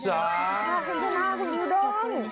อ้เช่นนั้นคุณยูดอง